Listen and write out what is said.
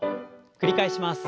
繰り返します。